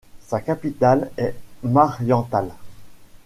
Sa capitale est Mariental.